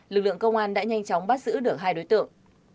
lực lượng công an đã nhanh chóng bắt giữ được hai đối tượng